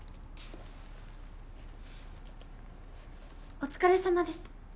お疲れさまです。